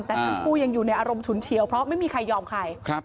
แต่ทั้งคู่ยังอยู่ในอารมณ์ฉุนเฉียวเพราะไม่มีใครยอมใคร